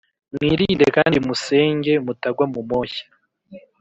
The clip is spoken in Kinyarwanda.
Mwirinde kandi musenge mutagwa mu moshya